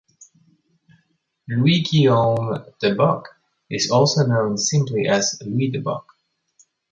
Louis-Guillaume Debock is also known simply as Louis Debock.